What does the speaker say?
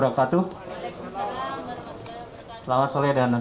wa'alaikumussalam warahmatullahi wabarakatuh